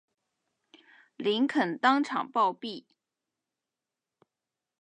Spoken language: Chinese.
林肯当场暴毙。